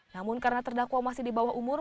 namun karena terdakwa masih di bawah umur